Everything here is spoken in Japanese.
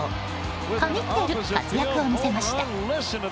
神ってる活躍を見せました。